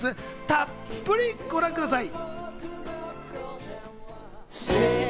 たっぷりご覧ください。